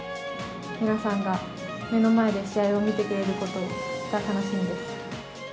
皆さんが目の前で試合を見てくれることが楽しみです。